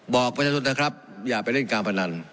บอกประชาชนนะครับอย่าไปเล่นการพนัน